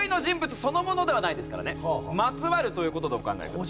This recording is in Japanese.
まつわるという事でお考えください。